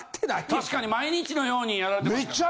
確かに毎日のようにやられてますからね。